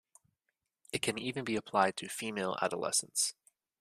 It can even be applied to female adolescents.